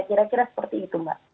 kira kira seperti itu mbak